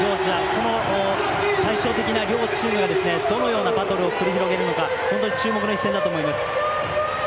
この対照的な両チームがどのようなバトルを繰り広げるのか注目の一戦だと思います。